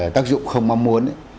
tác dụng không mong muốn